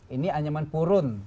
ini anyaman purun